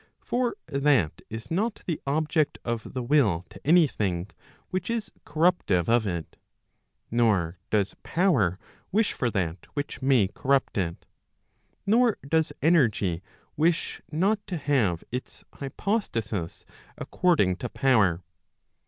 For that is not the object of the will to any thing which is corruptive of it, nor does power wish for that which may corrupt it, nor does energy wish not to have its hypostasis according to power.